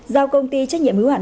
giao công ty trách nhiệm hữu hạn